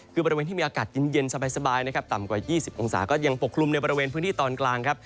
คือบริเวณที่มีอากาศเย็นสบายนะครับต่ำกว่า๒๐องศาก็ยังปกคลุมในบริเวณพื้นที่ตอนกลางครับ